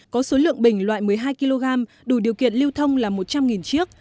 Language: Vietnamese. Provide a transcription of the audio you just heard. có số lượng bình loại một mươi hai kg đủ điều kiện lưu thông là một trăm linh chiếc